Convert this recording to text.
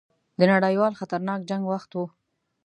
د نړیوال خطرناک جنګ وخت وو.